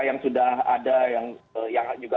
yang sudah ada yang